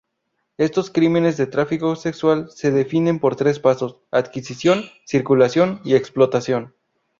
Estos crímenes de tráfico sexual se definen por tres pasos: adquisición, circulación y explotación.